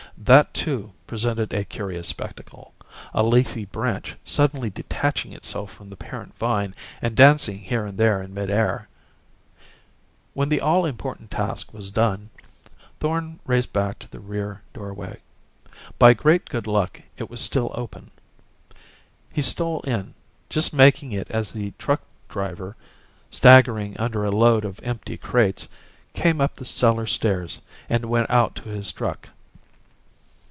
That, too, presented a curious spectacle: a leafy branch suddenly detaching itself from the parent vine and dancing here and there in mid air. When the all important task was done, Thorn raced back to the rear doorway. By great good luck it was still open. He stole in, just making it as the truck driver, staggering under a load of empty crates, came up the cellar stairs and went out to his truck.